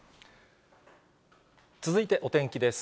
続いてお天気です。